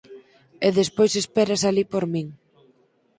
E despois esperas alí por min.